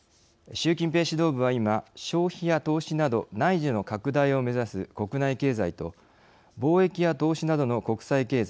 習近平指導部は今消費や投資など内需の拡大をめざす国内経済と貿易や投資などの国際経済